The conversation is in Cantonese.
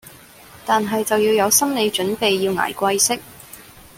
但係就要有心理準備要捱貴息